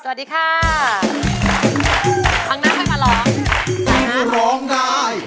สวัสดีค่ะ